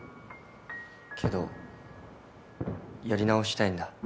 けどやり直したいんだ。